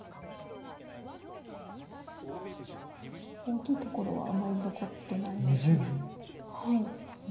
大きいところはあまり残ってないです。